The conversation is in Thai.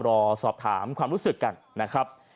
รอสอบถามความรู้สึกกันนะครับ